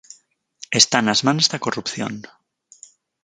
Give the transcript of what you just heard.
Está nas mans da corrupción.